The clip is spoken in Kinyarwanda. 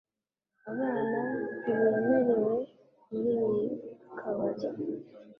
Abana ntibemerewe muriyi kabari